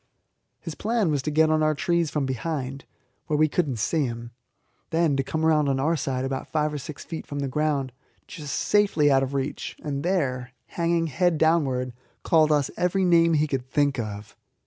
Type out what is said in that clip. His plan was to get on our trees from behind, where we could not see him, then to come round on our side about five or six feet from the ground, just safely out of reach, and there, hanging head downwards, call us every name he could think of.